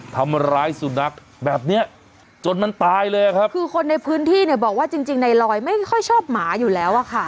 ทำร้ายสุนัขแบบเนี้ยจนมันตายเลยครับคือคนในพื้นที่เนี่ยบอกว่าจริงจริงในลอยไม่ค่อยชอบหมาอยู่แล้วอะค่ะ